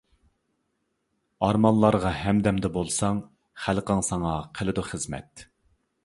ئارمانلارغا ھەمدەمدە بولساڭ، خەلقىڭ ساڭا قىلىدۇ خىزمەت.